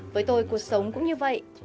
với tôi cuộc sống cũng như vậy